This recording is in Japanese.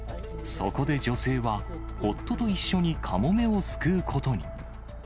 そこで女性は、夫と一緒にカモメを救うことに。